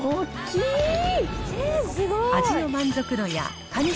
味の満足度やカニ